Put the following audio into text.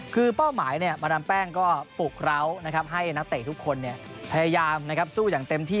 คือเป้าหมายมาดามแป้งก็ปลุกเราให้นักเตะทุกคนพยายามสู้อย่างเต็มที่